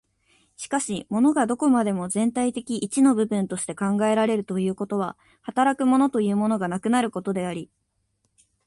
しかし物がどこまでも全体的一の部分として考えられるということは、働く物というものがなくなることであり、